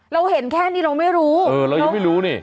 เราเห็นแค่นี้เราไม่รู้เออเรายังไม่รู้นี่